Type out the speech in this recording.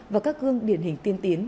và các gương điển hình tiên tiến